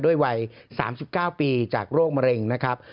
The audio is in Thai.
วัย๓๙ปีจากโรคมะเร็งนะครับ